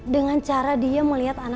dengan cara dia melihat afifnya